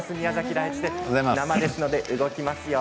生ですので動きますよ。